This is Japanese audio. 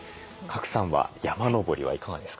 賀来さんは山登りはいかがですか？